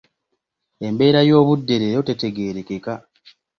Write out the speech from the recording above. Embeera y'obudde leero tetegeerekeka.